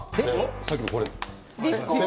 さっきのこれ。